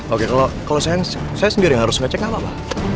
oke kalau saya sendiri yang harus ngecek apa